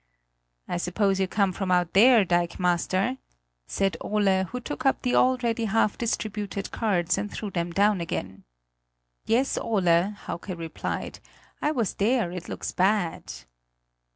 "I suppose you come from out there, dikemaster?" said Ole, who took up the already half distributed cards and threw them down again. "Yes, Ole," Hauke replied; "I was there; it looks bad."